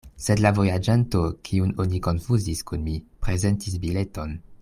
Sed la vojaĝanto, kiun oni konfuzis kun mi, prezentis bileton.